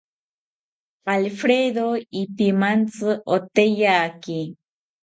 Alfredo ipimantzi oteyaki